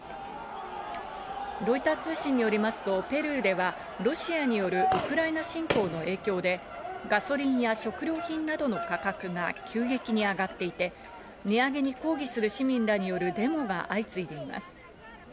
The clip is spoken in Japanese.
ロイター通信によりますとペルーではロシアによるウクライナ侵攻の影響でガソリンや食料品などの価格が急激に上がっていて、値上げに抗議する市民らによるデモが相次いでいます。